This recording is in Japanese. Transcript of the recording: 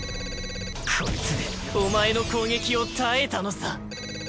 コイツでお前の攻撃を耐えたのさ。